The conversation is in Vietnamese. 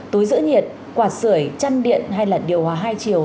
túi giữ nhiệt quạt sửa chăn điện hay là điều hòa hai chiều